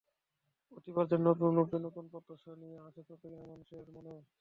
প্রতিবার যেন নতুন রূপে নতুন প্রত্যাশা নিয়ে আসে চট্টগ্রামের মানুষের মনে।